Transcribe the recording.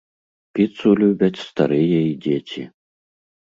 Піцу любяць старыя і дзеці.